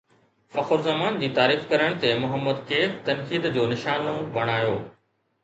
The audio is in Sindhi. فخر زمان جي تعريف ڪرڻ تي محمد ڪيف تنقيد جو نشانو بڻايو